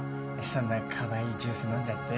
そんなかわいいジュース飲んじゃって。